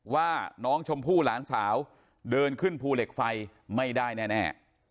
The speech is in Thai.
ว่าน้องชมพู่หลานสาวเดินขึ้นภูเหล็กไฟไม่ได้แน่